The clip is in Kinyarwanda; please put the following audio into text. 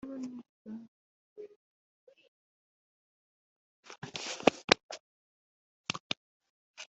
ry igihugu kwimakaza imiyoborere myiza no guteza imbere imibereho